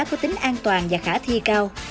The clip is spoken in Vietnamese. có tính an toàn và khả thi cao